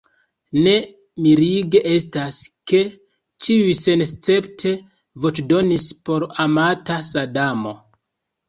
Ne mirige estas, ke ĉiuj senescepte voĉdonis por amata Sadamo!